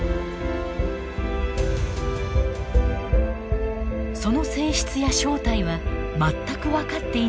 その性質や正体は全く分かっていない不思議なもの。